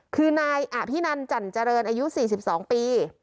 คือนายอภินันจันเจริญอายุ๔๒ปี